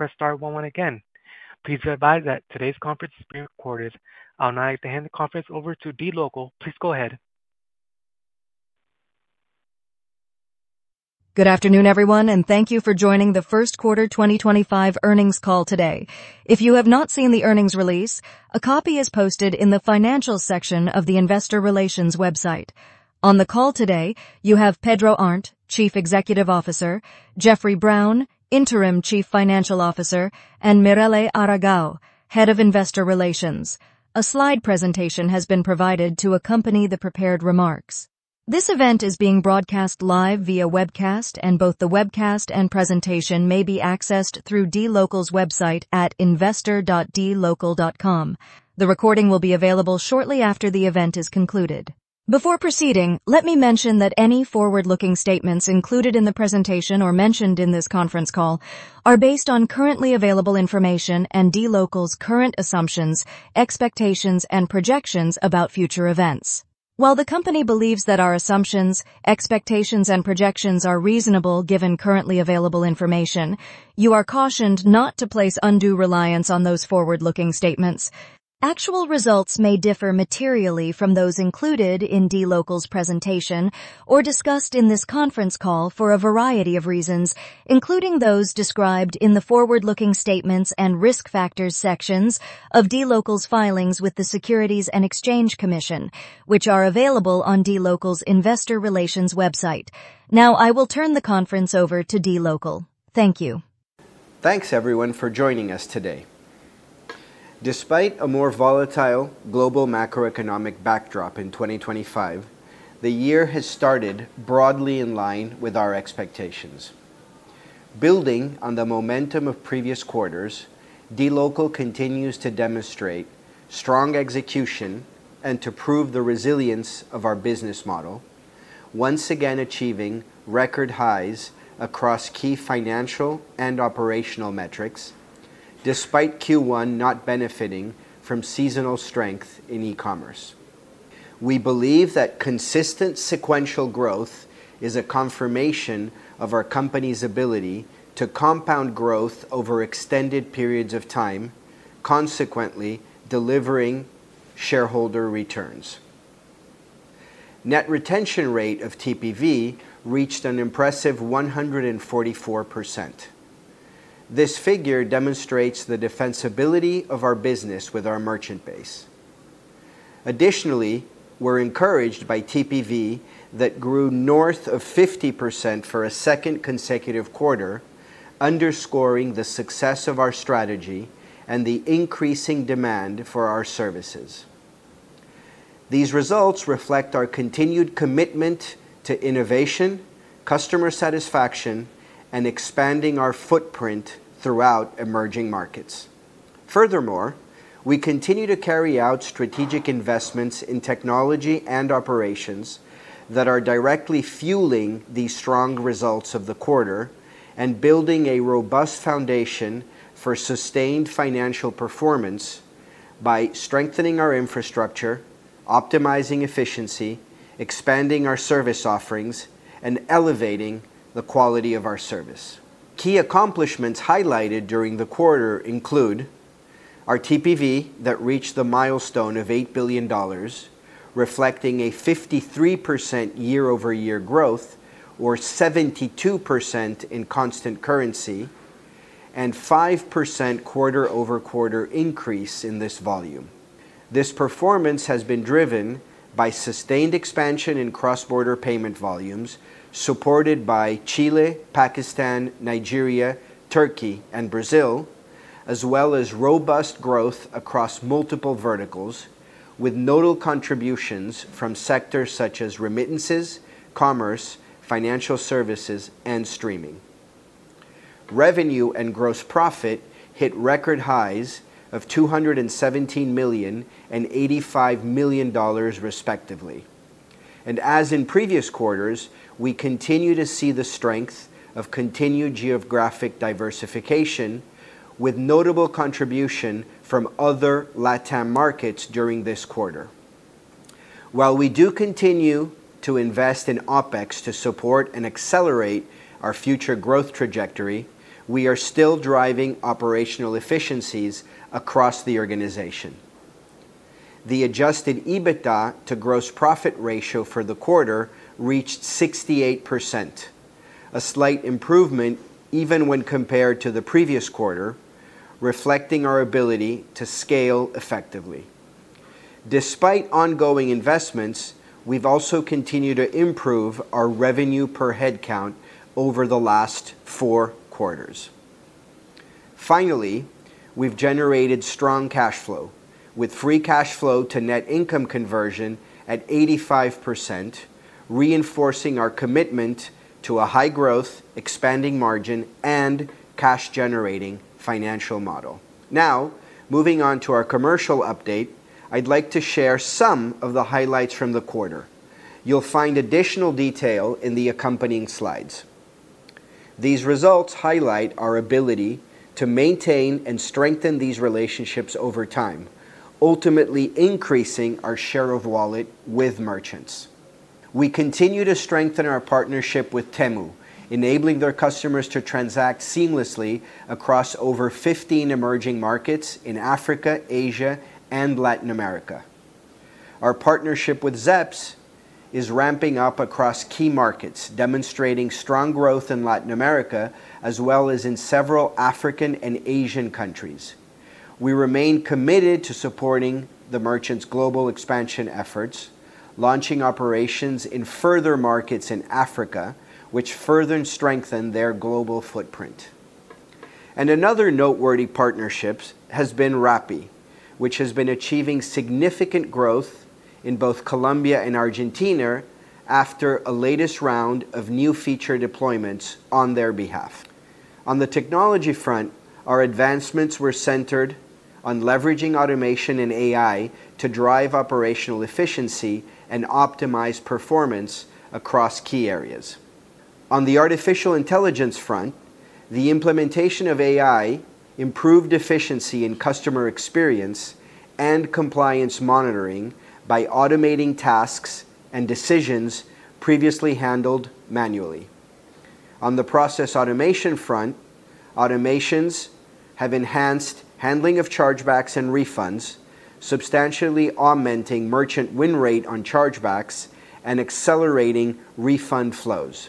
Press star one one again. Please be advised that today's conference is being recorded. I'll now like to hand the conference over to dLocal. Please go ahead. Good afternoon, everyone, and thank you for joining the First Quarter 2025 Earnings Call today. If you have not seen the earnings release, a copy is posted in the financials section of the investor relations website. On the call today, you have Pedro Arnt, Chief Executive Officer; Jeffrey Brown, Interim Chief Financial Officer; and Mirele Aragao, Head of Investor Relations. A slide presentation has been provided to accompany the prepared remarks. This event is being broadcast live via webcast, and both the webcast and presentation may be accessed through dLocal's website at investor.dlocal.com. The recording will be available shortly after the event is concluded. Before proceeding, let me mention that any forward-looking statements included in the presentation or mentioned in this conference call are based on currently available information and dLocal's current assumptions, expectations, and projections about future events. While the company believes that our assumptions, expectations, and projections are reasonable given currently available information, you are cautioned not to place undue reliance on those forward-looking statements. Actual results may differ materially from those included in dLocal's presentation or discussed in this conference call for a variety of reasons, including those described in the forward-looking statements and risk factors sections of dLocal's filings with the Securities and Exchange Commission, which are available on dLocal's investor relations website. Now, I will turn the conference over to dLocal. Thank you. Thanks, everyone, for joining us today. Despite a more volatile global macroeconomic backdrop in 2025, the year has started broadly in line with our expectations. Building on the momentum of previous quarters, dLocal continues to demonstrate strong execution and to prove the resilience of our business model, once again achieving record highs across key financial and operational metrics, despite Q1 not benefiting from seasonal strength in e-commerce. We believe that consistent sequential growth is a confirmation of our company's ability to compound growth over extended periods of time, consequently delivering shareholder returns. Net retention rate of TPV reached an impressive 144%. This figure demonstrates the defensibility of our business with our merchant base. Additionally, we're encouraged by TPV that grew north of 50% for a second consecutive quarter, underscoring the success of our strategy and the increasing demand for our services. These results reflect our continued commitment to innovation, customer satisfaction, and expanding our footprint throughout emerging markets. Furthermore, we continue to carry out strategic investments in technology and operations that are directly fueling the strong results of the quarter and building a robust foundation for sustained financial performance by strengthening our infrastructure, optimizing efficiency, expanding our service offerings, and elevating the quality of our service. Key accomplishments highlighted during the quarter include our TPV that reached the milestone of $8 billion, reflecting a 53% year-over-year growth or 72% in constant currency, and a 5% quarter-over-quarter increase in this volume. This performance has been driven by sustained expansion in cross-border payment volumes supported by Chile, Pakistan, Nigeria, Turkey, and Brazil, as well as robust growth across multiple verticals, with nodal contributions from sectors such as remittances, commerce, financial services, and streaming. Revenue and gross profit hit record highs of $217 million and $85 million, respectively. As in previous quarters, we continue to see the strength of continued geographic diversification, with notable contribution from other LATAM markets during this quarter. While we do continue to invest in OpEx to support and accelerate our future growth trajectory, we are still driving operational efficiencies across the organization. The adjusted EBITDA to gross profit ratio for the quarter reached 68%, a slight improvement even when compared to the previous quarter, reflecting our ability to scale effectively. Despite ongoing investments, we've also continued to improve our revenue per head count over the last four quarters. Finally, we've generated strong cash flow, with free cash flow to net income conversion at 85%, reinforcing our commitment to a high-growth, expanding margin, and cash-generating financial model. Now, moving on to our commercial update, I'd like to share some of the highlights from the quarter. You'll find additional detail in the accompanying slides. These results highlight our ability to maintain and strengthen these relationships over time, ultimately increasing our share of wallet with merchants. We continue to strengthen our partnership with Temu, enabling their customers to transact seamlessly across over 15 emerging markets in Africa, Asia, and Latin America. Our partnership with Zepz is ramping up across key markets, demonstrating strong growth in Latin America as well as in several African and Asian countries. We remain committed to supporting the merchants' global expansion efforts, launching operations in further markets in Africa, which further strengthen their global footprint. Another noteworthy partnership has been Rappi, which has been achieving significant growth in both Colombia and Argentina after a latest round of new feature deployments on their behalf. On the technology front, our advancements were centered on leveraging automation and AI to drive operational efficiency and optimize performance across key areas. On the artificial intelligence front, the implementation of AI improved efficiency in customer experience and compliance monitoring by automating tasks and decisions previously handled manually. On the process automation front, automations have enhanced handling of chargebacks and refunds, substantially augmenting merchant win rate on chargebacks and accelerating refund flows.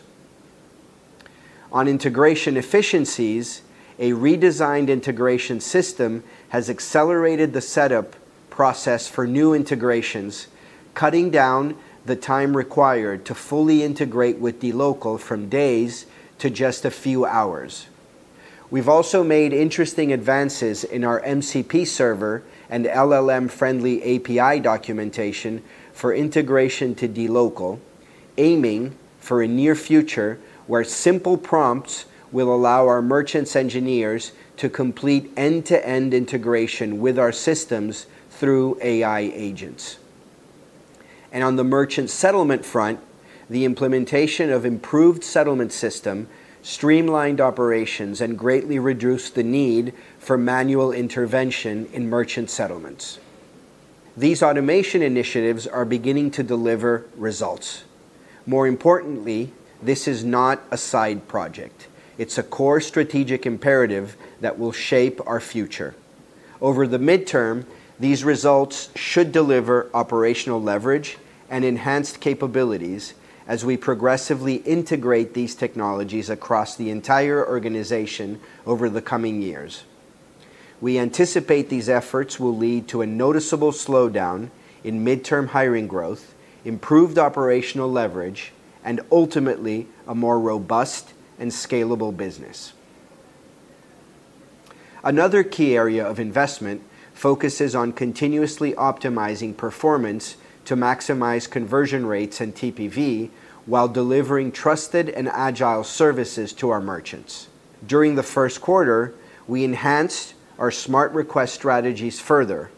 On integration efficiencies, a redesigned integration system has accelerated the setup process for new integrations, cutting down the time required to fully integrate with dLocal from days to just a few hours. We've also made interesting advances in our MCP server and LLM-friendly API documentation for integration to dLocal, aiming for a near future where simple prompts will allow our merchants' engineers to complete end-to-end integration with our systems through AI agents. On the merchant settlement front, the implementation of an improved settlement system streamlined operations and greatly reduced the need for manual intervention in merchant settlements. These automation initiatives are beginning to deliver results. More importantly, this is not a side project. It's a core strategic imperative that will shape our future. Over the midterm, these results should deliver operational leverage and enhanced capabilities as we progressively integrate these technologies across the entire organization over the coming years. We anticipate these efforts will lead to a noticeable slowdown in midterm hiring growth, improved operational leverage, and ultimately a more robust and scalable business. Another key area of investment focuses on continuously optimizing performance to maximize conversion rates and TPV while delivering trusted and agile services to our merchants. During the first quarter, we enhanced our smart request strategies further.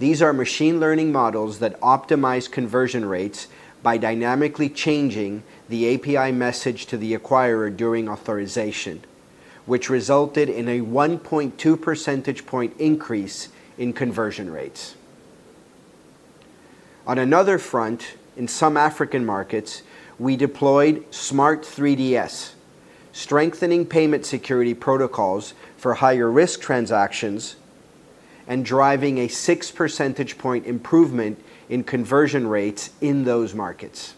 These are machine learning models that optimize conversion rates by dynamically changing the API message to the acquirer during authorization, which resulted in a 1.2 percentage point increase in conversion rates. On another front, in some African markets, we deployed smart 3DS, strengthening payment security protocols for higher-risk transactions and driving a 6 percentage point improvement in conversion rates in those markets.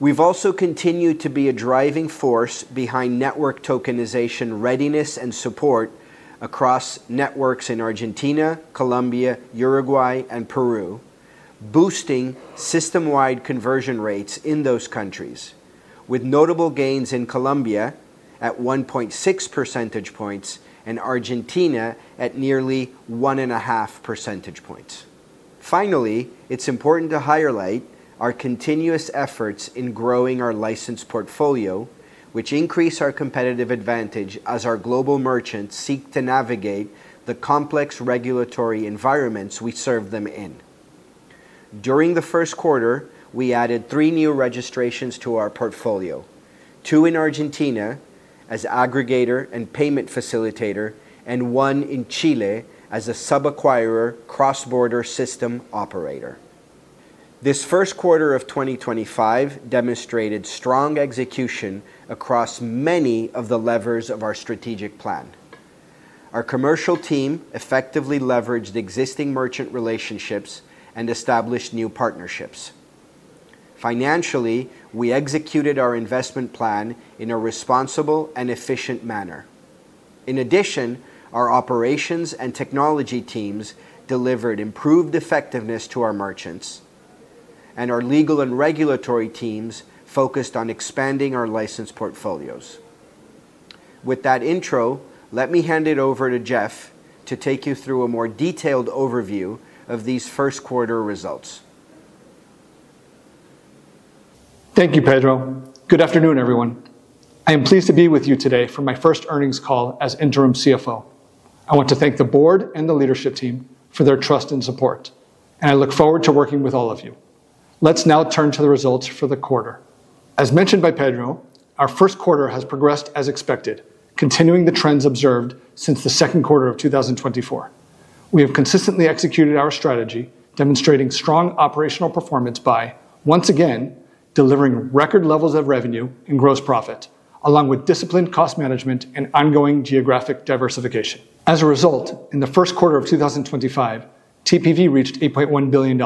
We've also continued to be a driving force behind network tokenization readiness and support across networks in Argentina, Colombia, Uruguay, and Peru, boosting system-wide conversion rates in those countries, with notable gains in Colombia at 1.6 percentage points and Argentina at nearly 1.5 percentage points. Finally, it's important to highlight our continuous efforts in growing our license portfolio, which increase our competitive advantage as our global merchants seek to navigate the complex regulatory environments we serve them in. During the first quarter, we added three new registrations to our portfolio: two in Argentina as aggregator and payment facilitator, and one in Chile as a sub-acquirer cross-border system operator. This first quarter of 2025 demonstrated strong execution across many of the levers of our strategic plan. Our commercial team effectively leveraged existing merchant relationships and established new partnerships. Financially, we executed our investment plan in a responsible and efficient manner. In addition, our operations and technology teams delivered improved effectiveness to our merchants, and our legal and regulatory teams focused on expanding our license portfolios. With that intro, let me hand it over to Jeff to take you through a more detailed overview of these first-quarter results. Thank you, Pedro. Good afternoon, everyone. I am pleased to be with you today for my first earnings call as Interim CFO. I want to thank the board and the leadership team for their trust and support, and I look forward to working with all of you. Let's now turn to the results for the quarter. As mentioned by Pedro, our first quarter has progressed as expected, continuing the trends observed since the second quarter of 2024. We have consistently executed our strategy, demonstrating strong operational performance by, once again, delivering record levels of revenue and gross profit, along with disciplined cost management and ongoing geographic diversification. As a result, in the first quarter of 2025, TPV reached $8.1 billion,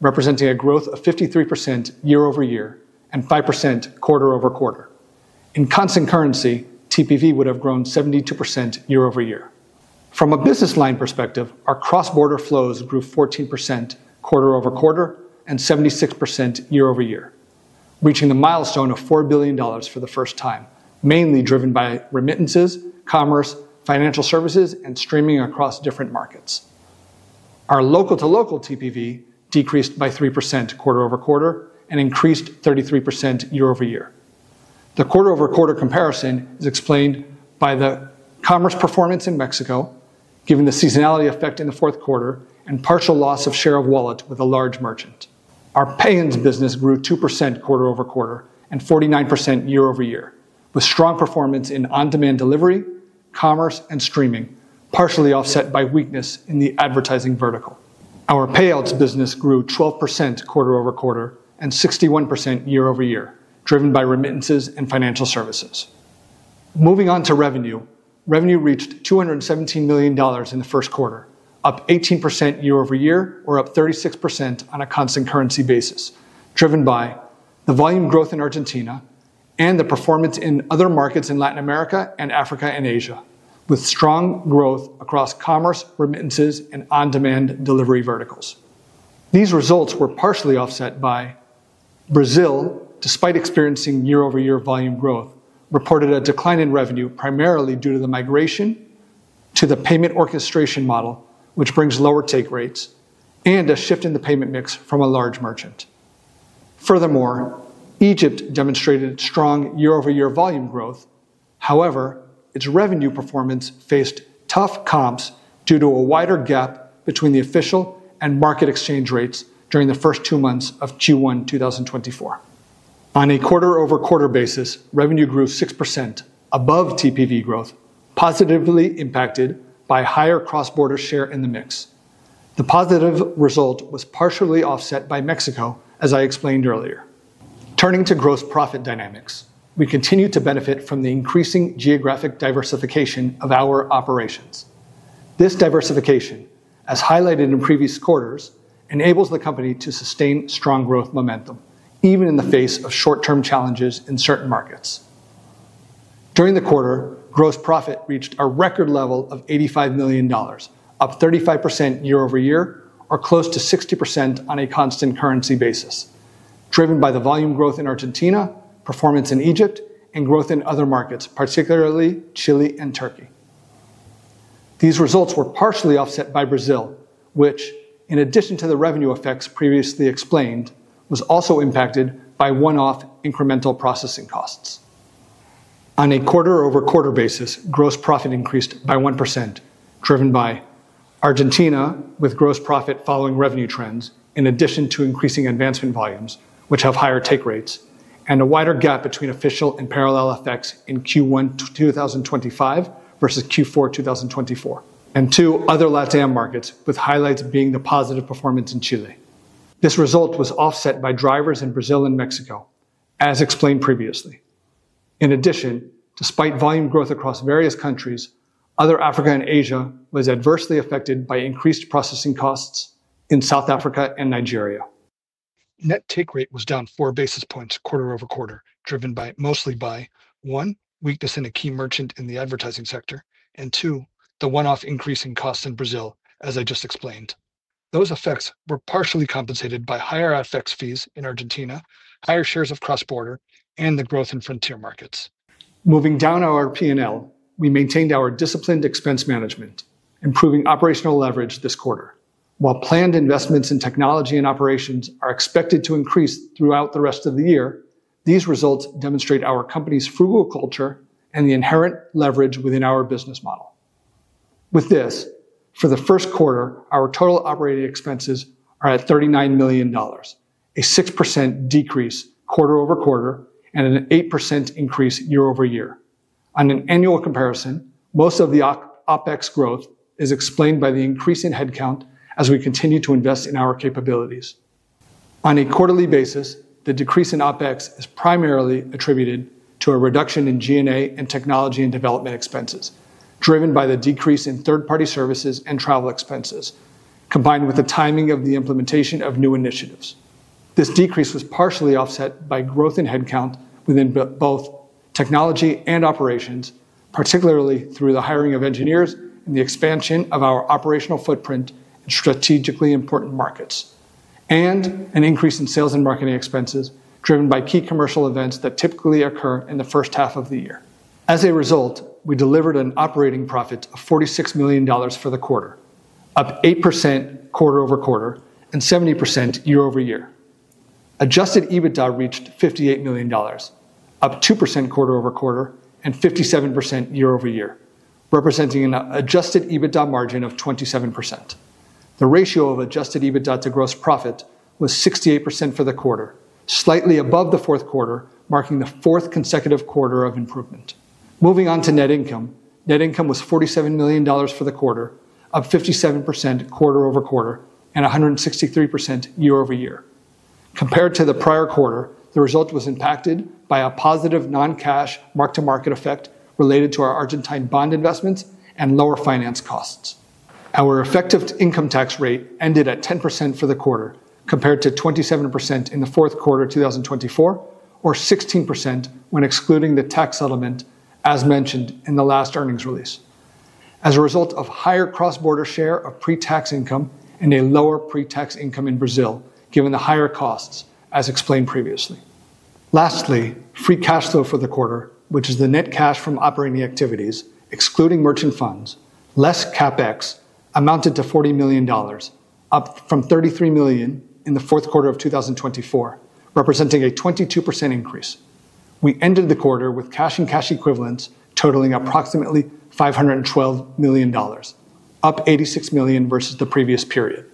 representing a growth of 53% year-over-year and 5% quarter-over-quarter. In constant currency, TPV would have grown 72% year-over-year. From a business line perspective, our cross-border flows grew 14% quarter-over-quarter and 76% year-over-year, reaching the milestone of $4 billion for the first time, mainly driven by remittances, commerce, financial services, and streaming across different markets. Our local-to-local TPV decreased by 3% quarter-over-quarter and increased 33% year-over-year. The quarter-over-quarter comparison is explained by the commerce performance in Mexico, given the seasonality effect in the fourth quarter, and partial loss of share of wallet with a large merchant. Our payments business grew 2% quarter-over-quarter and 49% year-over-year, with strong performance in on-demand delivery, commerce, and streaming, partially offset by weakness in the advertising vertical. Our payouts business grew 12% quarter-over-quarter and 61% year-over-year, driven by remittances and financial services. Moving on to revenue, revenue reached $217 million in the first quarter, up 18% year-over-year, or up 36% on a constant currency basis, driven by the volume growth in Argentina and the performance in other markets in Latin America and Africa and Asia, with strong growth across commerce, remittances, and on-demand delivery verticals. These results were partially offset by Brazil, despite experiencing year-over-year volume growth, reported a decline in revenue primarily due to the migration to the payment orchestration model, which brings lower take rates, and a shift in the payment mix from a large merchant. Furthermore, Egypt demonstrated strong year-over-year volume growth. However, its revenue performance faced tough comps due to a wider gap between the official and market exchange rates during the first two months of Q1 2024. On a quarter-over-quarter basis, revenue grew 6% above TPV growth, positively impacted by higher cross-border share in the mix. The positive result was partially offset by Mexico, as I explained earlier. Turning to gross profit dynamics, we continue to benefit from the increasing geographic diversification of our operations. This diversification, as highlighted in previous quarters, enables the company to sustain strong growth momentum, even in the face of short-term challenges in certain markets. During the quarter, gross profit reached a record level of $85 million, up 35% year-over-year, or close to 60% on a constant currency basis, driven by the volume growth in Argentina, performance in Egypt, and growth in other markets, particularly Chile and Turkey. These results were partially offset by Brazil, which, in addition to the revenue effects previously explained, was also impacted by one-off incremental processing costs. On a quarter-over-quarter basis, gross profit increased by 1%, driven by Argentina with gross profit following revenue trends, in addition to increasing advancement volumes, which have higher take rates, and a wider gap between official and parallel effects in Q1 2025 versus Q4 2024, and two other LATAM markets, with highlights being the positive performance in Chile. This result was offset by drivers in Brazil and Mexico, as explained previously. In addition, despite volume growth across various countries, other Africa and Asia was adversely affected by increased processing costs in South Africa and Nigeria. Net take rate was down four basis points quarter-over-quarter, driven mostly by, one, weakness in a key merchant in the advertising sector, and two, the one-off increase in costs in Brazil, as I just explained. Those effects were partially compensated by higher effects fees in Argentina, higher shares of cross-border, and the growth in frontier markets. Moving down our P&L, we maintained our disciplined expense management, improving operational leverage this quarter. While planned investments in technology and operations are expected to increase throughout the rest of the year, these results demonstrate our company's frugal culture and the inherent leverage within our business model. With this, for the first quarter, our total operating expenses are at $39 million, a 6% decrease quarter-over-quarter and an 8% increase year-over-year. On an annual comparison, most of the OpEx growth is explained by the increase in headcount as we continue to invest in our capabilities. On a quarterly basis, the decrease in OpEx is primarily attributed to a reduction in G&A and technology and development expenses, driven by the decrease in third-party services and travel expenses, combined with the timing of the implementation of new initiatives. This decrease was partially offset by growth in headcount within both technology and operations, particularly through the hiring of engineers and the expansion of our operational footprint in strategically important markets, and an increase in sales and marketing expenses driven by key commercial events that typically occur in the first half of the year. As a result, we delivered an operating profit of $46 million for the quarter, up 8% quarter-over-quarter and 70% year-over-year. Adjusted EBITDA reached $58 million, up 2% quarter-over-quarter and 57% year-over-year, representing an adjusted EBITDA margin of 27%. The ratio of adjusted EBITDA to gross profit was 68% for the quarter, slightly above the fourth quarter, marking the fourth consecutive quarter of improvement. Moving on to net income, net income was $47 million for the quarter, up 57% quarter-over-quarter and 163% year-over-year. Compared to the prior quarter, the result was impacted by a positive non-cash mark-to-market effect related to our Argentine bond investments and lower finance costs. Our effective income tax rate ended at 10% for the quarter, compared to 27% in the fourth quarter 2024, or 16% when excluding the tax settlement, as mentioned in the last earnings release, as a result of higher cross-border share of pre-tax income and a lower pre-tax income in Brazil, given the higher costs, as explained previously. Lastly, free cash flow for the quarter, which is the net cash from operating activities, excluding merchant funds, less CapEx, amounted to $40 million, up from $33 million in the fourth quarter of 2024, representing a 22% increase. We ended the quarter with cash and cash equivalents totaling approximately $512 million, up $86 million versus the previous period,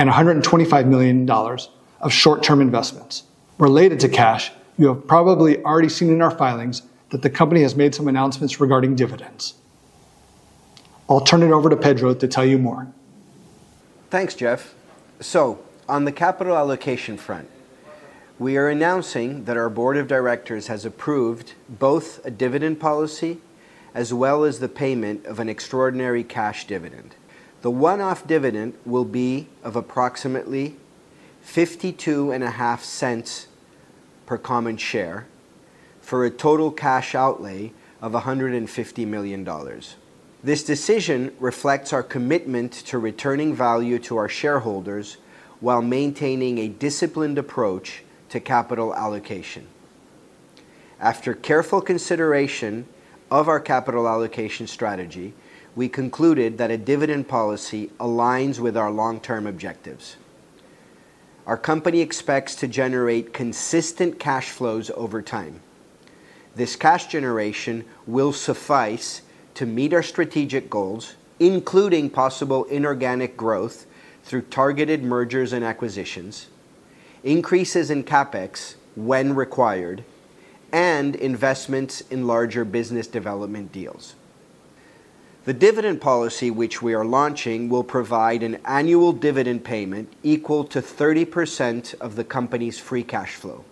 and $125 million of short-term investments. Related to cash, you have probably already seen in our filings that the company has made some announcements regarding dividends. I'll turn it over to Pedro to tell you more. Thanks, Jeff. On the capital allocation front, we are announcing that our board of directors has approved both a dividend policy as well as the payment of an extraordinary cash dividend. The one-off dividend will be approximately $0.525 per common share for a total cash outlay of $150 million. This decision reflects our commitment to returning value to our shareholders while maintaining a disciplined approach to capital allocation. After careful consideration of our capital allocation strategy, we concluded that a dividend policy aligns with our long-term objectives. Our company expects to generate consistent cash flows over time. This cash generation will suffice to meet our strategic goals, including possible inorganic growth through targeted mergers and acquisitions, increases in CapEx when required, and investments in larger business development deals. The dividend policy, which we are launching, will provide an annual dividend payment equal to 30% of the company's free cash flow.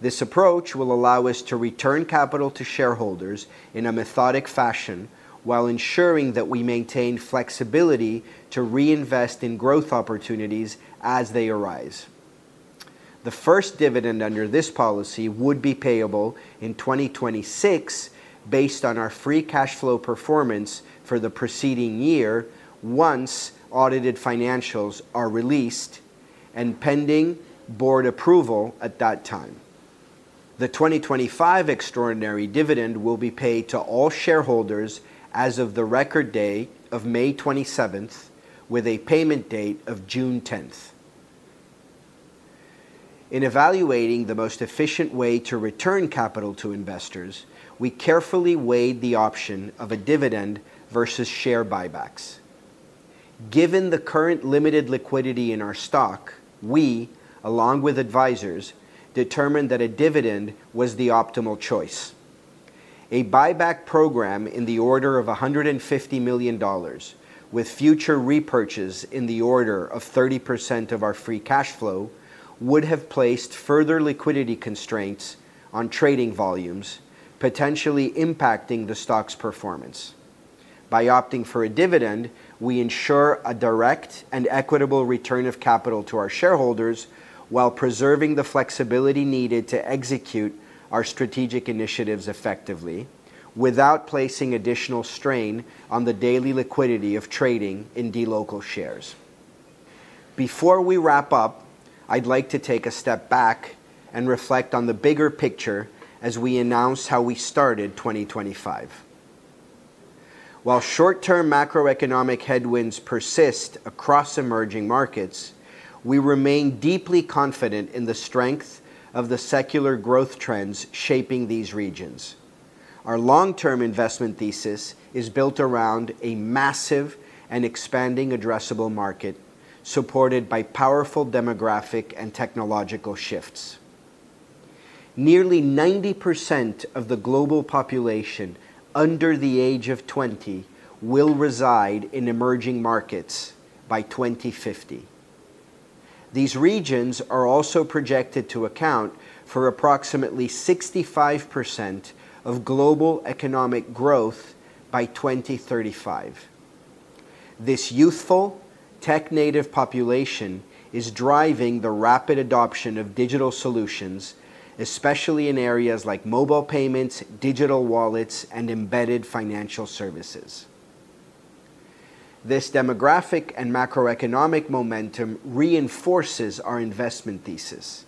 This approach will allow us to return capital to shareholders in a methodic fashion while ensuring that we maintain flexibility to reinvest in growth opportunities as they arise. The first dividend under this policy would be payable in 2026 based on our free cash flow performance for the preceding year once audited financials are released and pending board approval at that time. The 2025 extraordinary dividend will be paid to all shareholders as of the record day of May 27th, with a payment date of June 10th. In evaluating the most efficient way to return capital to investors, we carefully weighed the option of a dividend versus share buybacks. Given the current limited liquidity in our stock, we, along with advisors, determined that a dividend was the optimal choice. A buyback program in the order of $150 million, with future repurchase in the order of 30% of our free cash flow, would have placed further liquidity constraints on trading volumes, potentially impacting the stock's performance. By opting for a dividend, we ensure a direct and equitable return of capital to our shareholders while preserving the flexibility needed to execute our strategic initiatives effectively, without placing additional strain on the daily liquidity of trading in dLocal shares. Before we wrap up, I'd like to take a step back and reflect on the bigger picture as we announce how we started 2025. While short-term macroeconomic headwinds persist across emerging markets, we remain deeply confident in the strength of the secular growth trends shaping these regions. Our long-term investment thesis is built around a massive and expanding addressable market, supported by powerful demographic and technological shifts. Nearly 90% of the global population under the age of 20 will reside in emerging markets by 2050. These regions are also projected to account for approximately 65% of global economic growth by 2035. This youthful, tech-native population is driving the rapid adoption of digital solutions, especially in areas like mobile payments, digital wallets, and embedded financial services. This demographic and macroeconomic momentum reinforces our investment thesis: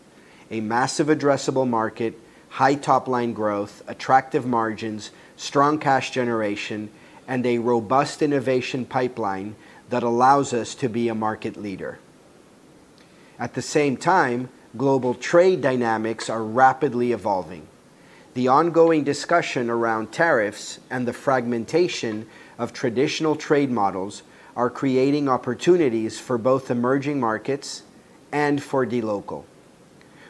a massive addressable market, high top-line growth, attractive margins, strong cash generation, and a robust innovation pipeline that allows us to be a market leader. At the same time, global trade dynamics are rapidly evolving. The ongoing discussion around tariffs and the fragmentation of traditional trade models are creating opportunities for both emerging markets and for dLocal.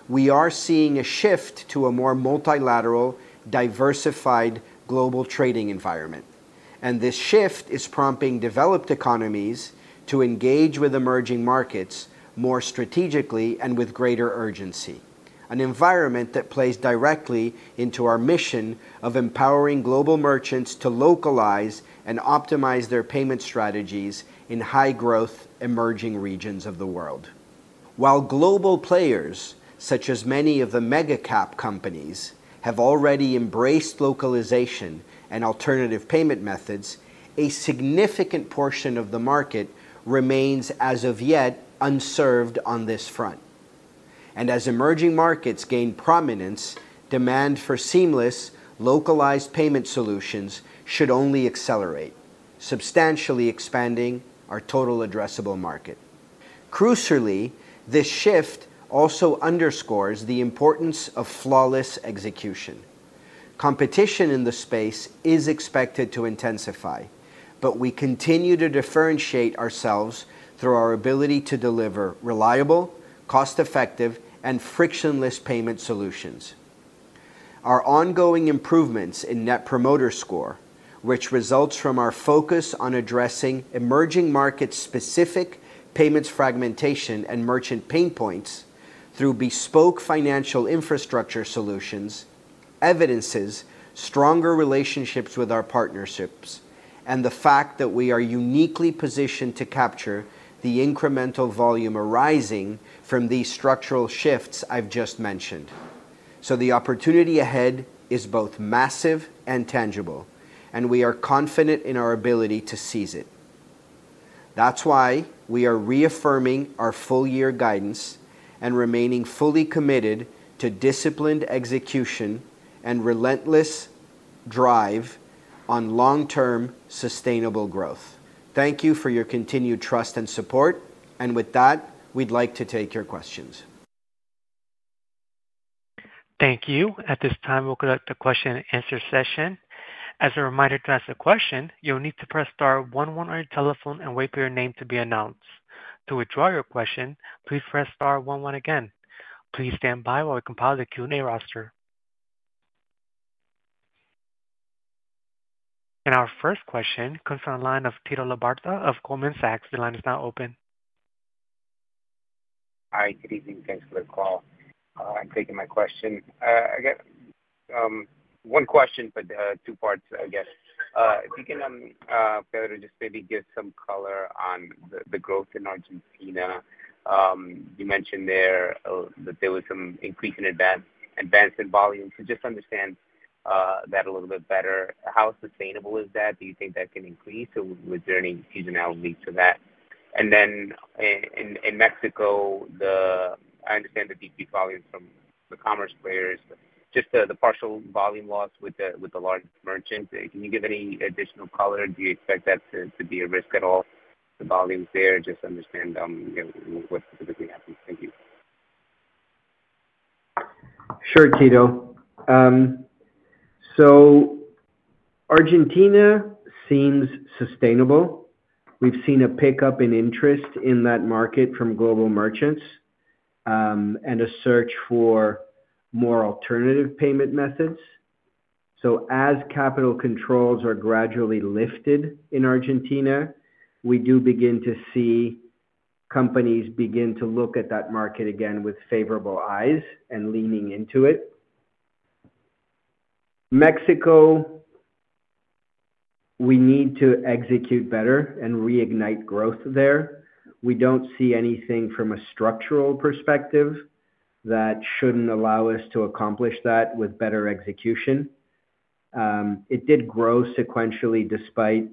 We are seeing a shift to a more multilateral, diversified global trading environment, and this shift is prompting developed economies to engage with emerging markets more strategically and with greater urgency, an environment that plays directly into our mission of empowering global merchants to localize and optimize their payment strategies in high-growth emerging regions of the world. While global players, such as many of the mega-cap companies, have already embraced localization and alternative payment methods, a significant portion of the market remains, as of yet, unserved on this front. As emerging markets gain prominence, demand for seamless, localized payment solutions should only accelerate, substantially expanding our total addressable market. Crucially, this shift also underscores the importance of flawless execution. Competition in the space is expected to intensify, but we continue to differentiate ourselves through our ability to deliver reliable, cost-effective, and frictionless payment solutions. Our ongoing improvements in Net Promoter Score, which results from our focus on addressing emerging market-specific payments fragmentation and merchant pain points through bespoke financial infrastructure solutions, evidences stronger relationships with our partnerships, and the fact that we are uniquely positioned to capture the incremental volume arising from these structural shifts I've just mentioned. The opportunity ahead is both massive and tangible, and we are confident in our ability to seize it. That's why we are reaffirming our full-year guidance and remaining fully committed to disciplined execution and relentless drive on long-term sustainable growth. Thank you for your continued trust and support, and with that, we'd like to take your questions. Thank you. At this time, we'll conduct a question-and-answer session. As a reminder, to ask a question, you'll need to press star one one on your telephone and wait for your name to be announced. To withdraw your question, please press star one one again. Please stand by while we compile the Q&A roster. Our first question comes from the line of Tito Labarta of Goldman Sachs. The line is now open. Hi, good evening. Thanks for the call. Thanks for taking my question. I got one question, but two parts, I guess. If you can, Pedro, just maybe give some color on the growth in Argentina. You mentioned there that there was some increase in advance in volume. To just understand that a little bit better, how sustainable is that? Do you think that can increase? Or was there any seasonality to that? In Mexico, I understand the decreased volumes from the commerce players. Just the partial volume loss with the large merchants. Can you give any additional color? Do you expect that to be a risk at all, the volumes there? Just understand what specifically happened. Thank you. Sure, Tito. Argentina seems sustainable. We've seen a pickup in interest in that market from global merchants and a search for more alternative payment methods. As capital controls are gradually lifted in Argentina, we do begin to see companies begin to look at that market again with favorable eyes and leaning into it. Mexico, we need to execute better and reignite growth there. We do not see anything from a structural perspective that should not allow us to accomplish that with better execution. It did grow sequentially despite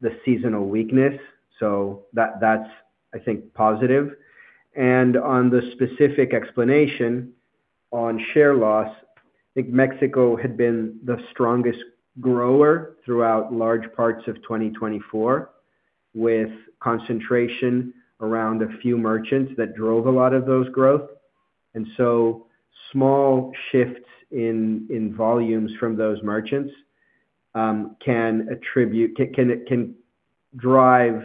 the seasonal weakness, so that is, I think, positive. On the specific explanation on share loss, I think Mexico had been the strongest grower throughout large parts of 2024, with concentration around a few merchants that drove a lot of that growth. Small shifts in volumes from those merchants can drive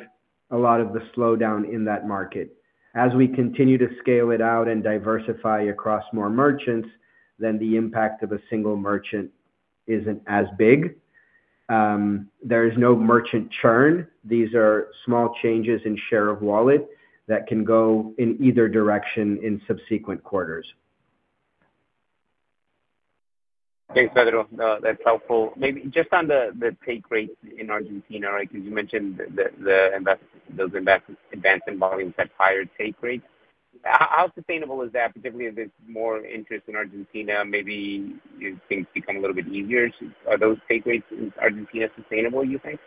a lot of the slowdown in that market. As we continue to scale it out and diversify across more merchants, then the impact of a single merchant isn't as big. There is no merchant churn. These are small changes in share of wallet that can go in either direction in subsequent quarters. Thanks, Pedro. That's helpful. Maybe just on the take rates in Argentina, right? Because you mentioned those advancing volumes at higher take rates. How sustainable is that? Particularly if there's more interest in Argentina, maybe things become a little bit easier. Are those take rates in Argentina sustainable, do you think?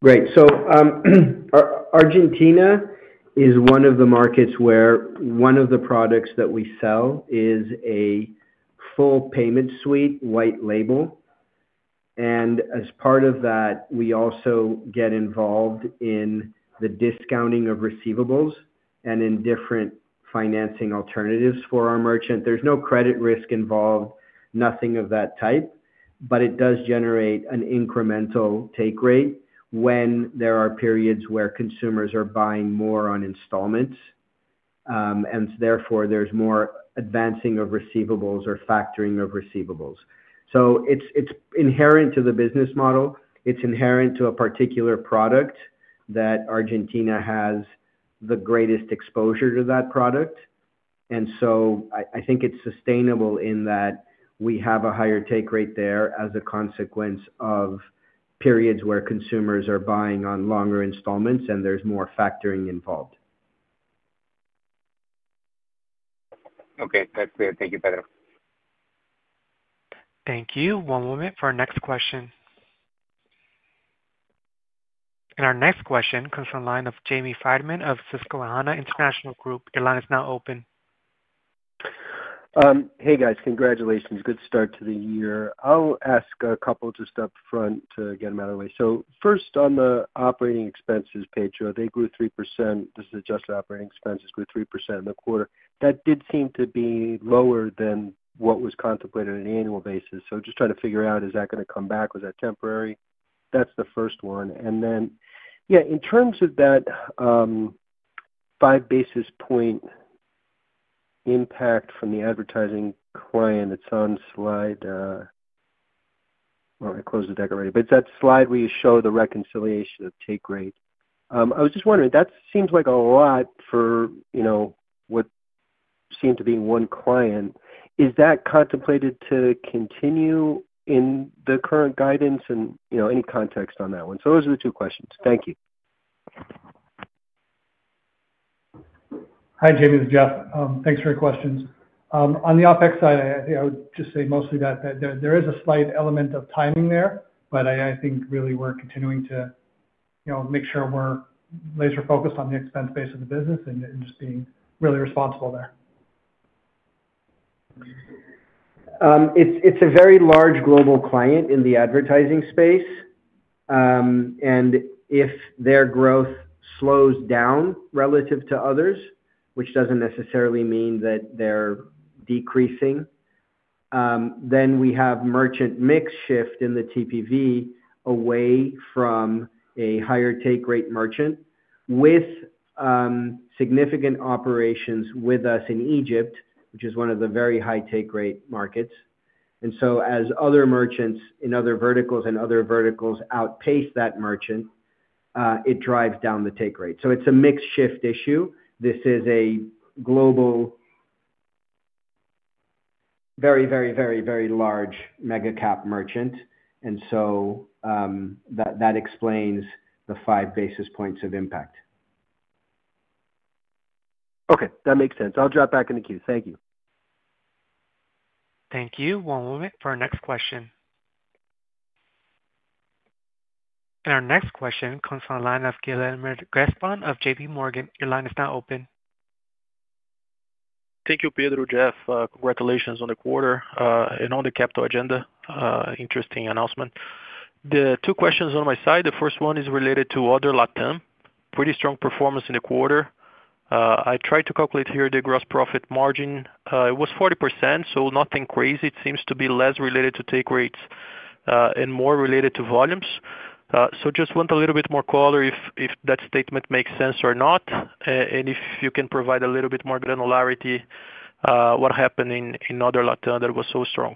Right. Argentina is one of the markets where one of the products that we sell is a full payment suite, white label. As part of that, we also get involved in the discounting of receivables and in different financing alternatives for our merchant. There is no credit risk involved, nothing of that type, but it does generate an incremental take rate when there are periods where consumers are buying more on installments, and therefore there is more advancing of receivables or factoring of receivables. It is inherent to the business model. It is inherent to a particular product that Argentina has the greatest exposure to that product. I think it is sustainable in that we have a higher take rate there as a consequence of periods where consumers are buying on longer installments and there is more factoring involved. Okay. That's clear. Thank you, Pedro. Thank you. One moment for our next question. Our next question comes from the line of Jamie Friedman of Susquehanna International Group. Your line is now open. Hey, guys. Congratulations. Good start to the year. I'll ask a couple just up front to get them out of the way. First, on the operating expenses, Pedro, they grew 3%. This is adjusted operating expenses grew 3% in the quarter. That did seem to be lower than what was contemplated on an annual basis. Just trying to figure out, is that going to come back? Was that temporary? That's the first one. In terms of that five basis point impact from the advertising client, it's on slide where I closed the deck already. It's that slide where you show the reconciliation of take rate. I was just wondering, that seems like a lot for what seemed to be one client. Is that contemplated to continue in the current guidance and any context on that one? Those are the two questions. Thank you. Hi, Jamie. This is Jeff. Thanks for your questions. On the OpEx side, I would just say mostly that there is a slight element of timing there, but I think really we are continuing to make sure we are laser-focused on the expense base of the business and just being really responsible there. It's a very large global client in the advertising space, and if their growth slows down relative to others, which doesn't necessarily mean that they're decreasing, then we have merchant mix shift in the TPV away from a higher take rate merchant with significant operations with us in Egypt, which is one of the very high take rate markets. As other merchants in other verticals outpace that merchant, it drives down the take rate. It is a mix shift issue. This is a global, very, very, very, very large mega-cap merchant, and that explains the five basis points of impact. Okay. That makes sense. I'll drop back in the queue. Thank you. Thank you. One moment for our next question. Our next question comes from the line of Guillermo Greizmann of JPMorgan. Your line is now open. Thank you, Pedro, Jeff. Congratulations on the quarter and on the capital agenda. Interesting announcement. The two questions on my side, the first one is related to other LATAM. Pretty strong performance in the quarter. I tried to calculate here the gross profit margin. It was 40%, so nothing crazy. It seems to be less related to take rates and more related to volumes. Just want a little bit more color if that statement makes sense or not, and if you can provide a little bit more granularity what happened in other LATAM that was so strong.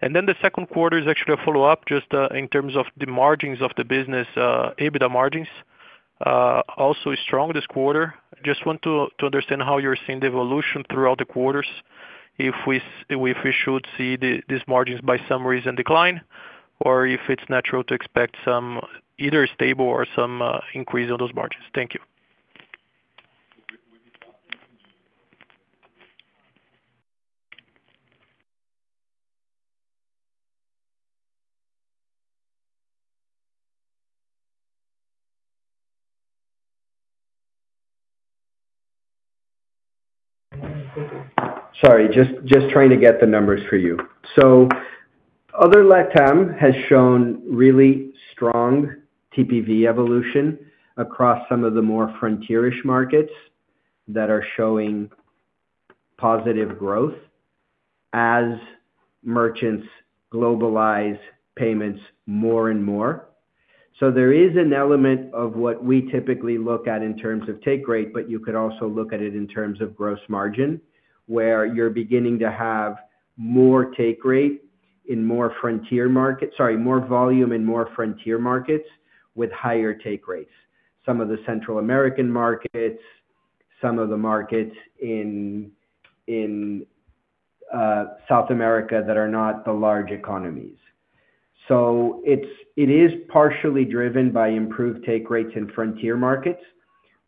The second quarter is actually a follow-up just in terms of the margins of the business, EBITDA margins, also strong this quarter. Just want to understand how you're seeing the evolution throughout the quarters, if we should see these margins by some reason decline or if it's natural to expect some either stable or some increase on those margins. Thank you. Sorry. Just trying to get the numbers for you. Other LATAM has shown really strong TPV evolution across some of the more frontier-ish markets that are showing positive growth as merchants globalize payments more and more. There is an element of what we typically look at in terms of take rate, but you could also look at it in terms of gross margin, where you're beginning to have more take rate in more frontier markets, sorry, more volume in more frontier markets with higher take rates. Some of the Central American markets, some of the markets in South America that are not the large economies. It is partially driven by improved take rates in frontier markets,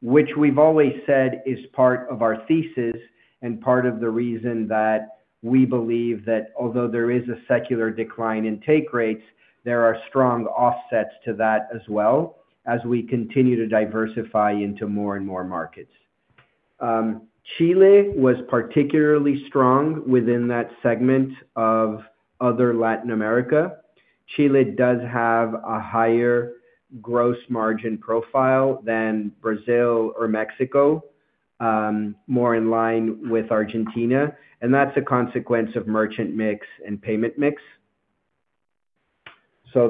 which we've always said is part of our thesis and part of the reason that we believe that although there is a secular decline in take rates, there are strong offsets to that as well as we continue to diversify into more and more markets. Chile was particularly strong within that segment of other Latin America. Chile does have a higher gross margin profile than Brazil or Mexico, more in line with Argentina. And that's a consequence of merchant mix and payment mix.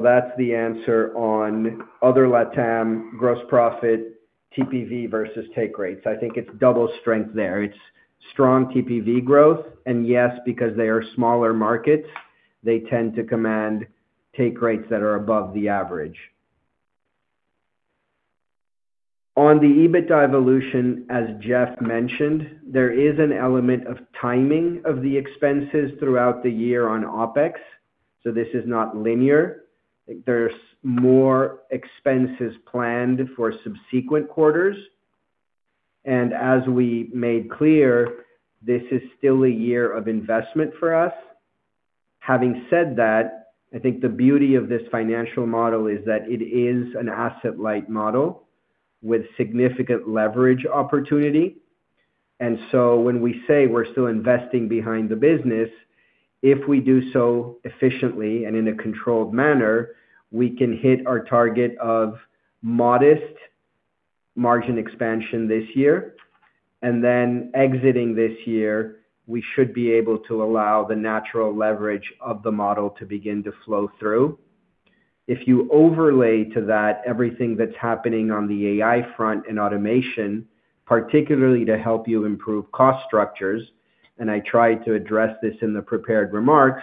That's the answer on other Latam gross profit TPV versus take rates. I think it's double strength there. It's strong TPV growth, and yes, because they are smaller markets, they tend to command take rates that are above the average. On the EBITDA evolution, as Jeff mentioned, there is an element of timing of the expenses throughout the year on OpEx. This is not linear. There are more expenses planned for subsequent quarters. As we made clear, this is still a year of investment for us. Having said that, I think the beauty of this financial model is that it is an asset-light model with significant leverage opportunity. When we say we're still investing behind the business, if we do so efficiently and in a controlled manner, we can hit our target of modest margin expansion this year. Exiting this year, we should be able to allow the natural leverage of the model to begin to flow through. If you overlay to that everything that's happening on the AI front and automation, particularly to help you improve cost structures, and I tried to address this in the prepared remarks,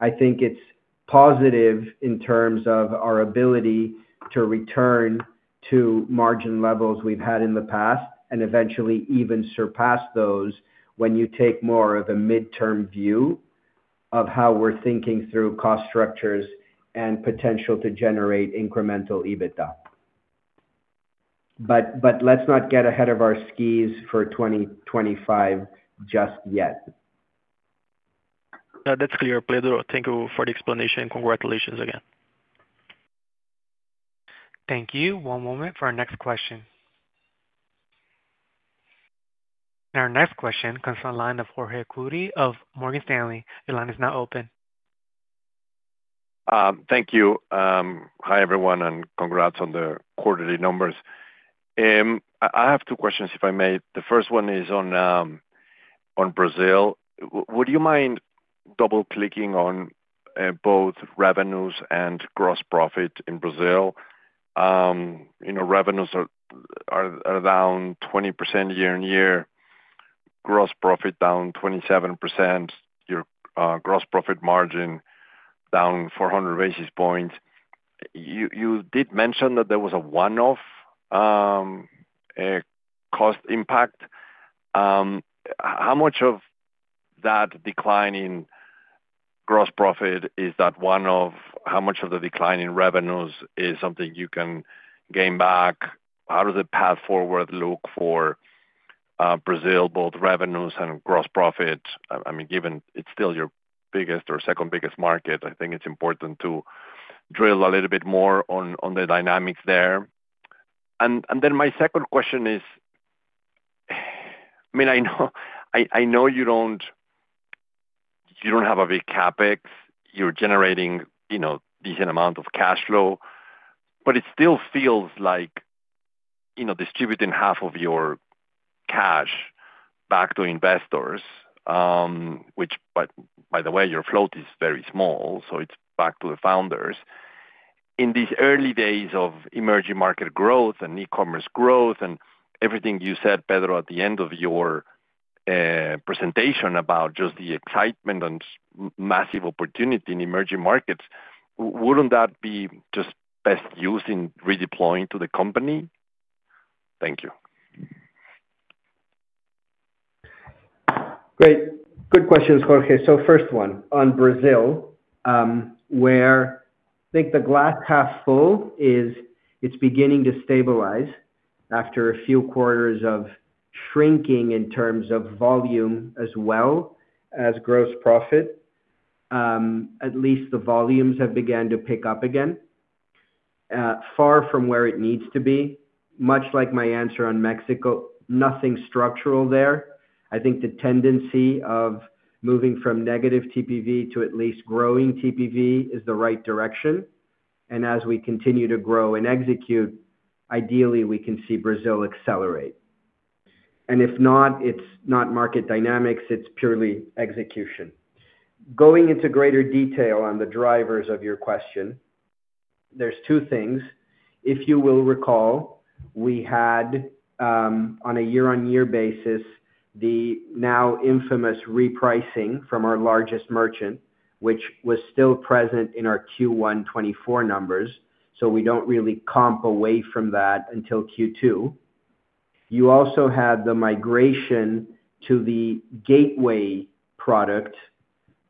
I think it's positive in terms of our ability to return to margin levels we've had in the past and eventually even surpass those when you take more of a midterm view of how we're thinking through cost structures and potential to generate incremental EBITDA. Let's not get ahead of our skis for 2025 just yet. That's clear, Pedro. Thank you for the explanation. Congratulations again. Thank you. One moment for our next question. Our next question comes from the line of Jorge Kuri of Morgan Stanley. Your line is now open. Thank you. Hi, everyone, and congrats on the quarterly numbers. I have two questions, if I may. The first one is on Brazil. Would you mind double-clicking on both revenues and gross profit in Brazil? Revenues are down 20% year-on-year, gross profit down 27%, your gross profit margin down 400 basis points. You did mention that there was a one-off cost impact. How much of that decline in gross profit is that one-off? How much of the decline in revenues is something you can gain back? How does the path forward look for Brazil, both revenues and gross profit? I mean, given it's still your biggest or second biggest market, I think it's important to drill a little bit more on the dynamics there. And then my second question is, I mean, I know you don't have a big CapEx. You're generating a decent amount of cash flow, but it still feels like distributing half of your cash back to investors, which, by the way, your float is very small, so it's back to the founders. In these early days of emerging market growth and e-commerce growth and everything you said, Pedro, at the end of your presentation about just the excitement and massive opportunity in emerging markets, would not that be just best used in redeploying to the company? Thank you. Great. Good questions, Jorge. First one on Brazil, where I think the glass half full is it's beginning to stabilize after a few quarters of shrinking in terms of volume as well as gross profit. At least the volumes have begun to pick up again, far from where it needs to be. Much like my answer on Mexico, nothing structural there. I think the tendency of moving from negative TPV to at least growing TPV is the right direction. As we continue to grow and execute, ideally, we can see Brazil accelerate. If not, it's not market dynamics. It's purely execution. Going into greater detail on the drivers of your question, there's two things. If you will recall, we had, on a year-on-year basis, the now infamous repricing from our largest merchant, which was still present in our Q1 2024 numbers, so we do not really comp away from that until Q2. You also had the migration to the gateway product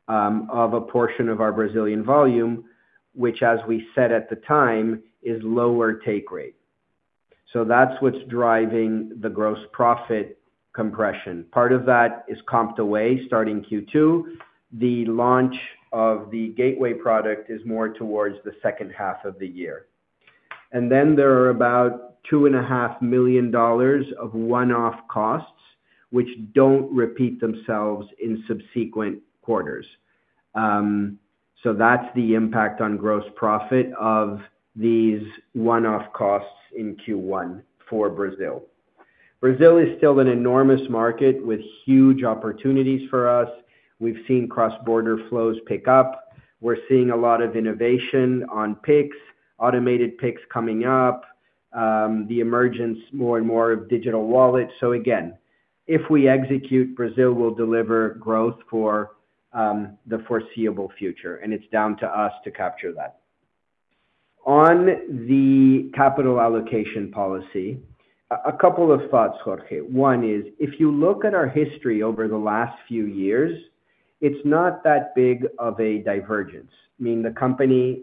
of a portion of our Brazilian volume, which, as we said at the time, is lower take rate. That is what is driving the gross profit compression. Part of that is comped away starting Q2. The launch of the gateway product is more towards the second half of the year. There are about $2.5 million of one-off costs, which do not repeat themselves in subsequent quarters. That is the impact on gross profit of these one-off costs in Q1 for Brazil. Brazil is still an enormous market with huge opportunities for us. We have seen cross-border flows pick up. We're seeing a lot of innovation on picks, automated picks coming up, the emergence more and more of digital wallets. Again, if we execute, Brazil will deliver growth for the foreseeable future, and it's down to us to capture that. On the capital allocation policy, a couple of thoughts, Jorge. One is, if you look at our history over the last few years, it's not that big of a divergence. I mean, the company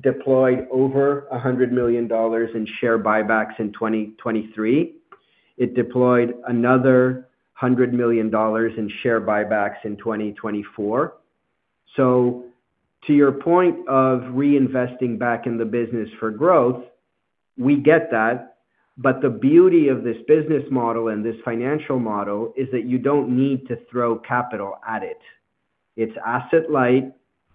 deployed over $100 million in share buybacks in 2023. It deployed another $100 million in share buybacks in 2024. To your point of reinvesting back in the business for growth, we get that, but the beauty of this business model and this financial model is that you don't need to throw capital at it. It's asset-light.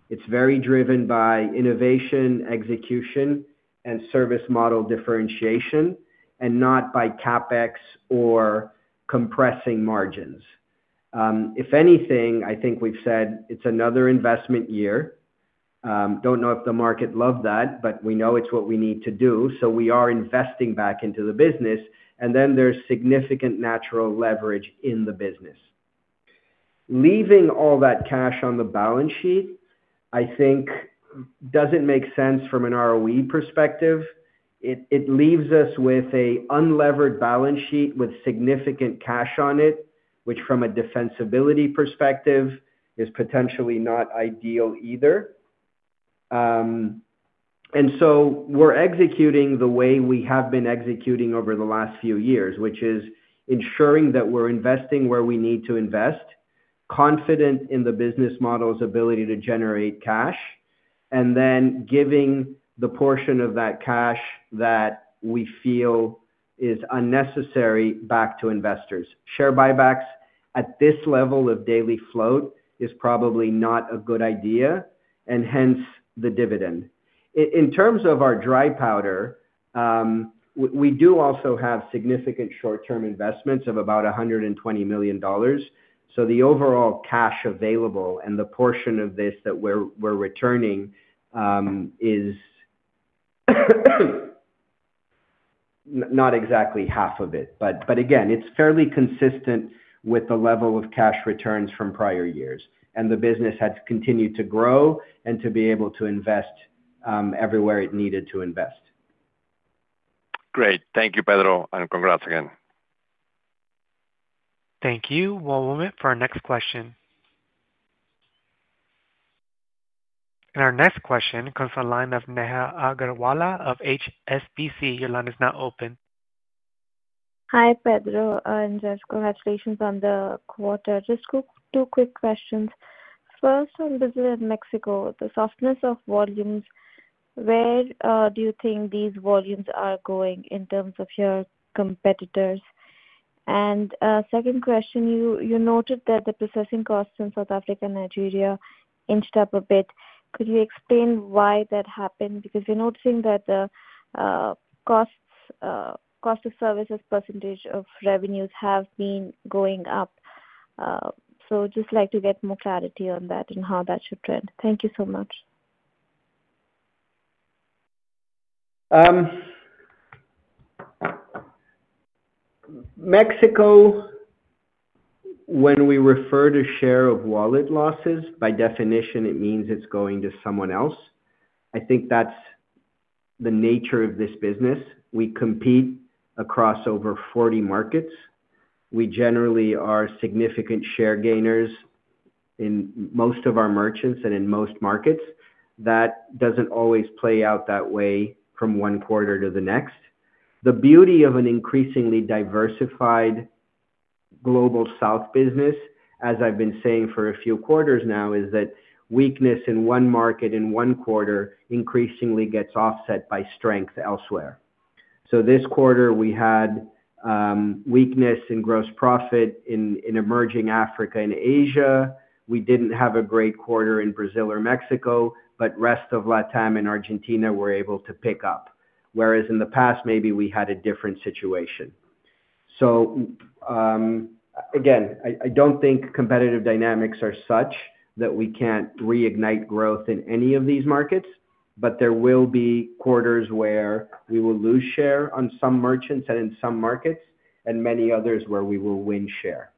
It's very driven by innovation, execution, and service model differentiation, and not by CapEx or compressing margins. If anything, I think we've said it's another investment year. I don't know if the market loved that, but we know it's what we need to do. We are investing back into the business, and then there's significant natural leverage in the business. Leaving all that cash on the balance sheet, I think, doesn't make sense from an ROE perspective. It leaves us with an unlevered balance sheet with significant cash on it, which, from a defensibility perspective, is potentially not ideal either. We are executing the way we have been executing over the last few years, which is ensuring that we're investing where we need to invest, confident in the business model's ability to generate cash, and then giving the portion of that cash that we feel is unnecessary back to investors. Share buybacks at this level of daily float is probably not a good idea, and hence the dividend. In terms of our dry powder, we do also have significant short-term investments of about $120 million. So the overall cash available and the portion of this that we're returning is not exactly half of it. Again, it's fairly consistent with the level of cash returns from prior years. The business has continued to grow and to be able to invest everywhere it needed to invest. Great. Thank you, Pedro, and congrats again. Thank you. One moment for our next question. Our next question comes from the line of Neha Agarwala of HSBC. Your line is now open. Hi, Pedro. Just congratulations on the quarter. Just two quick questions. First, on Brazil and Mexico, the softness of volumes, where do you think these volumes are going in terms of your competitors? Second question, you noted that the processing costs in South Africa and Nigeria inched up a bit. Could you explain why that happened? Because we're noticing that the cost of services percentage of revenues have been going up. I'd just like to get more clarity on that and how that should trend. Thank you so much. Mexico, when we refer to share of wallet losses, by definition, it means it's going to someone else. I think that's the nature of this business. We compete across over 40 markets. We generally are significant share gainers in most of our merchants and in most markets. That doesn't always play out that way from one quarter to the next. The beauty of an increasingly diversified Global South business, as I've been saying for a few quarters now, is that weakness in one market in one quarter increasingly gets offset by strength elsewhere. This quarter, we had weakness in gross profit in emerging Africa and Asia. We didn't have a great quarter in Brazil or Mexico, but the rest of Latin America and Argentina were able to pick up, whereas in the past, maybe we had a different situation. I don't think competitive dynamics are such that we can't reignite growth in any of these markets, but there will be quarters where we will lose share on some merchants and in some markets, and many others where we will win share.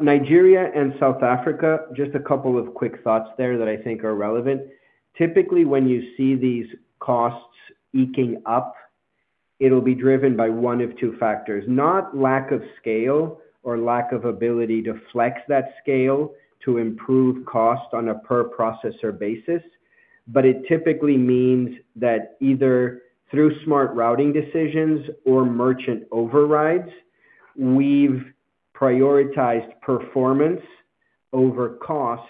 Nigeria and South Africa, just a couple of quick thoughts there that I think are relevant. Typically, when you see these costs eking up, it'll be driven by one of two factors: not lack of scale or lack of ability to flex that scale to improve cost on a per-processor basis, but it typically means that either through smart routing decisions or merchant overrides, we've prioritized performance over cost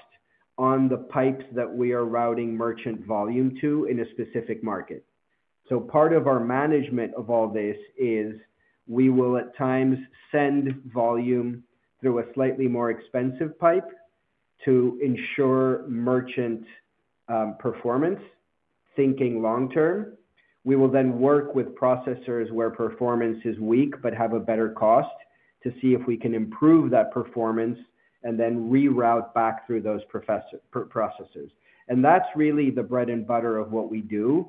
on the pipes that we are routing merchant volume to in a specific market. Part of our management of all this is we will, at times, send volume through a slightly more expensive pipe to ensure merchant performance, thinking long-term. We will then work with processors where performance is weak but have a better cost to see if we can improve that performance and then reroute back through those processors. That is really the bread and butter of what we do.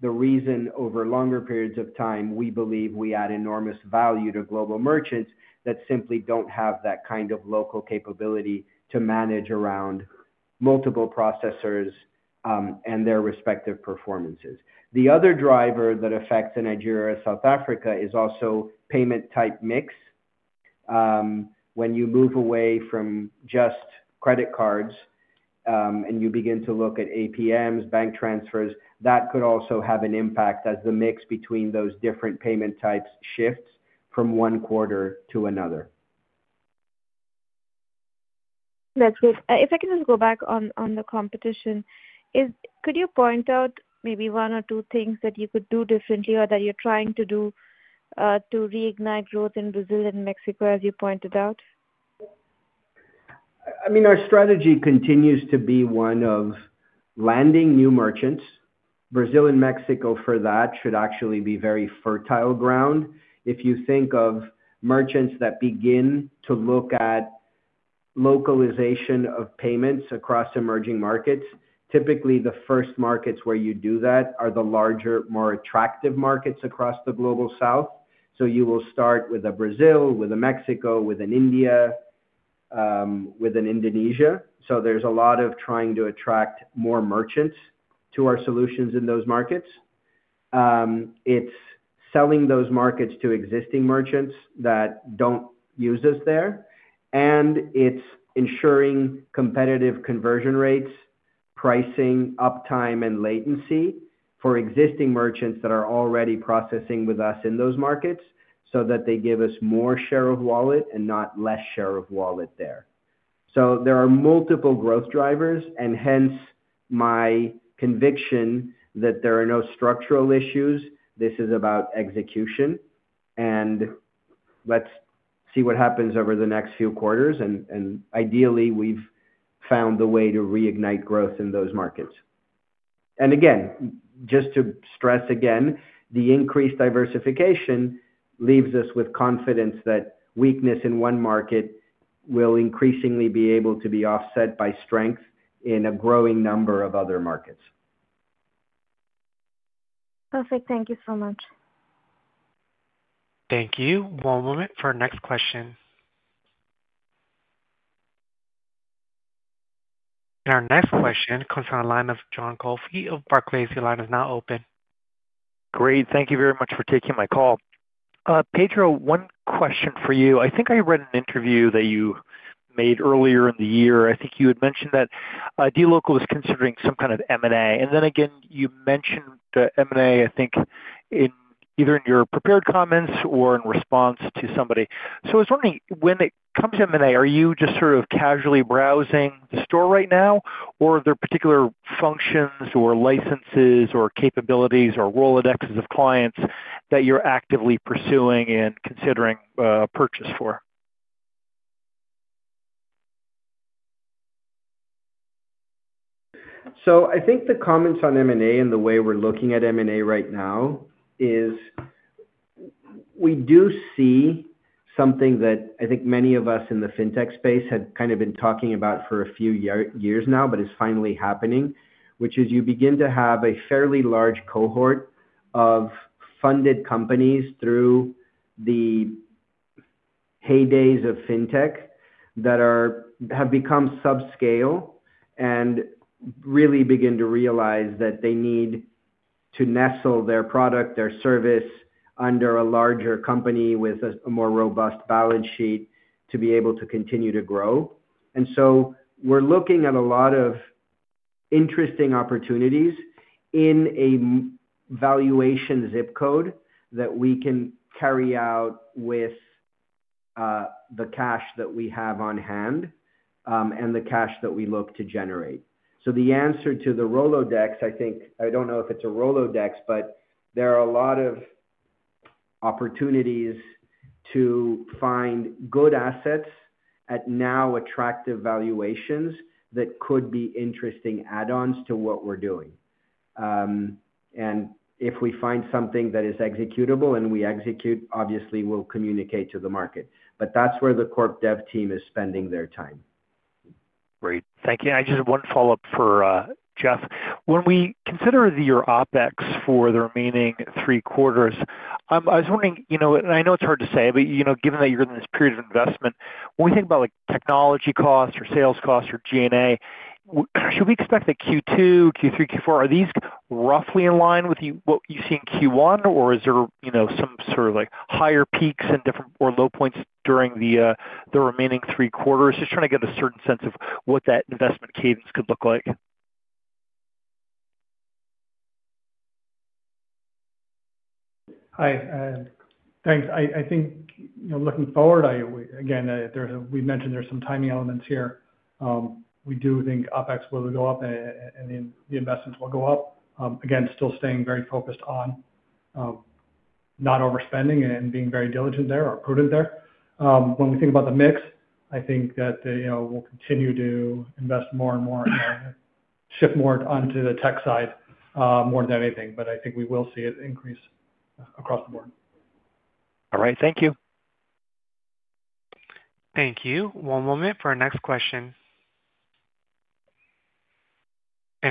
The reason over longer periods of time we believe we add enormous value to global merchants that simply do not have that kind of local capability to manage around multiple processors and their respective performances. The other driver that affects Nigeria or South Africa is also payment type mix. When you move away from just credit cards and you begin to look at APMs, bank transfers, that could also have an impact as the mix between those different payment types shifts from one quarter to another. That's good. If I can just go back on the competition, could you point out maybe one or two things that you could do differently or that you're trying to do to reignite growth in Brazil and Mexico, as you pointed out? I mean, our strategy continues to be one of landing new merchants. Brazil and Mexico for that should actually be very fertile ground. If you think of merchants that begin to look at localization of payments across emerging markets, typically the first markets where you do that are the larger, more attractive markets across the Global South. You will start with a Brazil, with a Mexico, with an India, with an Indonesia. There is a lot of trying to attract more merchants to our solutions in those markets. It is selling those markets to existing merchants that do not use us there. It is ensuring competitive conversion rates, pricing, uptime, and latency for existing merchants that are already processing with us in those markets so that they give us more share of wallet and not less share of wallet there. There are multiple growth drivers, and hence my conviction that there are no structural issues. This is about execution. Let's see what happens over the next few quarters. Ideally, we've found the way to reignite growth in those markets. Again, just to stress, the increased diversification leaves us with confidence that weakness in one market will increasingly be able to be offset by strength in a growing number of other markets. Perfect. Thank you so much. Thank you. One moment for our next question. Our next question comes from the line of John Coffey of Barclays. Your line is now open. Great. Thank you very much for taking my call. Pedro, one question for you. I think I read an interview that you made earlier in the year. I think you had mentioned that dLocal was considering some kind of M&A. Then again, you mentioned the M&A, I think, either in your prepared comments or in response to somebody. I was wondering, when it comes to M&A, are you just sort of casually browsing the store right now, or are there particular functions or licenses or capabilities or Rolodexes of clients that you're actively pursuing and considering a purchase for? I think the comments on M&A and the way we're looking at M&A right now is we do see something that I think many of us in the fintech space had kind of been talking about for a few years now, but it's finally happening, which is you begin to have a fairly large cohort of funded companies through the heydays of fintech that have become subscale and really begin to realize that they need to nestle their product, their service under a larger company with a more robust balance sheet to be able to continue to grow. We are looking at a lot of interesting opportunities in a valuation zip code that we can carry out with the cash that we have on hand and the cash that we look to generate. The answer to the rolodex, I think I do not know if it is a rolodex, but there are a lot of opportunities to find good assets at now attractive valuations that could be interesting add-ons to what we are doing. If we find something that is executable and we execute, obviously, we will communicate to the market. That is where the CorpDev team is spending their time. Great. Thank you. I just have one follow-up for Jeff. When we consider your OpEx for the remaining three quarters, I was wondering, and I know it's hard to say, but given that you're in this period of investment, when we think about technology costs or sales costs or G&A, should we expect that Q2, Q3, Q4, are these roughly in line with what you see in Q1, or is there some sort of higher peaks or low points during the remaining three quarters? Just trying to get a certain sense of what that investment cadence could look like. Hi. Thanks. I think looking forward, again, we mentioned there's some timing elements here. We do think OpEx will go up, and the investments will go up. Again, still staying very focused on not overspending and being very diligent there or prudent there. When we think about the mix, I think that we'll continue to invest more and more and shift more onto the tech side more than anything. I think we will see it increase across the board. All right. Thank you. Thank you. One moment for our next question.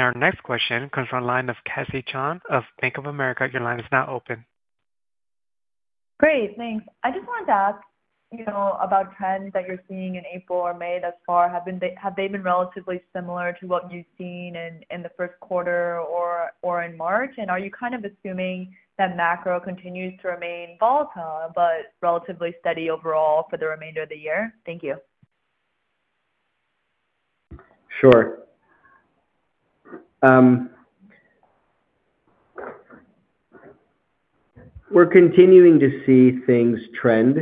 Our next question comes from the line of Kassie Chan of Bank of America. Your line is now open. Great. Thanks. I just wanted to ask about trends that you're seeing in April or May thus far. Have they been relatively similar to what you've seen in the first quarter or in March? Are you kind of assuming that macro continues to remain volatile but relatively steady overall for the remainder of the year? Thank you. Sure. We're continuing to see things trend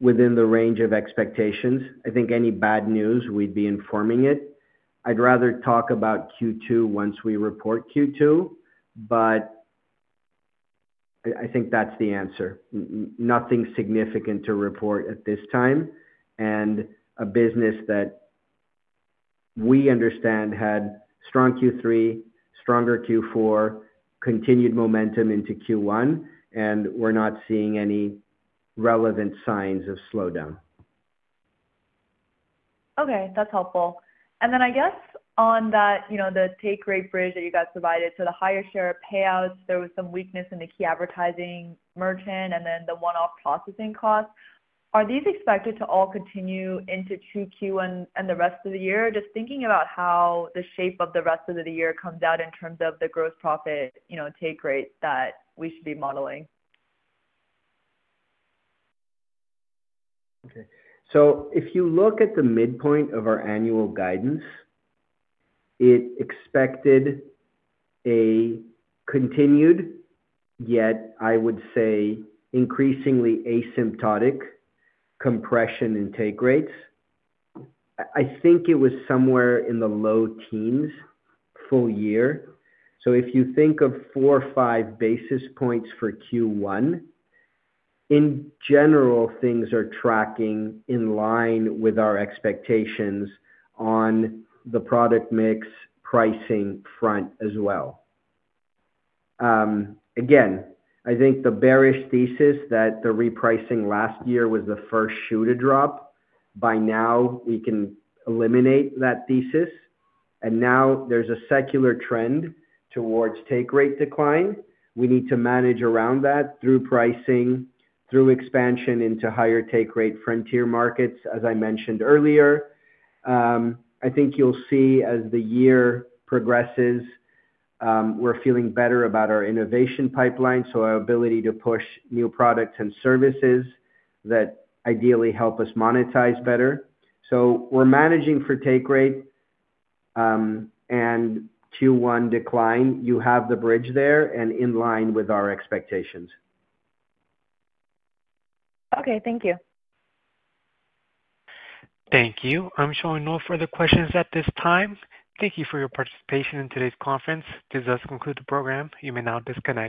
within the range of expectations. I think any bad news, we'd be informing it. I'd rather talk about Q2 once we report Q2, but I think that's the answer. Nothing significant to report at this time. A business that we understand had strong Q3, stronger Q4, continued momentum into Q1, and we're not seeing any relevant signs of slowdown. Okay. That's helpful. I guess on the take rate bridge that you guys provided, the higher share of payouts, there was some weakness in the key advertising merchant and then the one-off processing costs. Are these expected to all continue into Q2 and the rest of the year? Just thinking about how the shape of the rest of the year comes out in terms of the gross profit take rate that we should be modeling. Okay. If you look at the midpoint of our annual guidance, it expected a continued, yet I would say increasingly asymptotic compression in take rates. I think it was somewhere in the low teens full year. If you think of four or five basis points for Q1, in general, things are tracking in line with our expectations on the product mix pricing front as well. Again, I think the bearish thesis that the repricing last year was the first shoe to drop, by now we can eliminate that thesis. Now there is a secular trend towards take rate decline. We need to manage around that through pricing, through expansion into higher take rate frontier markets, as I mentioned earlier. I think you'll see as the year progresses, we're feeling better about our innovation pipeline, so our ability to push new products and services that ideally help us monetize better. We're managing for take rate and Q1 decline. You have the bridge there and in line with our expectations. Okay. Thank you. Thank you. I'm showing no further questions at this time. Thank you for your participation in today's conference. This does conclude the program. You may now disconnect.